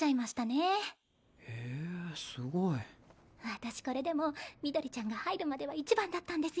私これでもミドリちゃんが入るまでは一番だったんですよ。